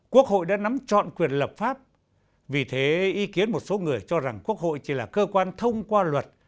quốc hội đã nắm chọn quyền lập pháp vì thế ý kiến một số người cho rằng quốc hội chỉ là cơ quan thông qua luật